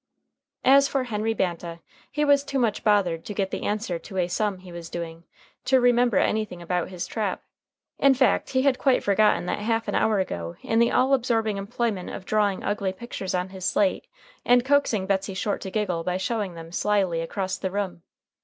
As for Henry Banta, he was too much bothered to get the answer to a "sum" he was doing, to remember anything about his trap. In fact, he had quite forgotten that half an hour ago in the all absorbing employment of drawing ugly pictures on his slate and coaxing Betsey Short to giggle by showing them slyly across the school room.